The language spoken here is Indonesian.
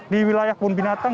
di wilayah kebun binatang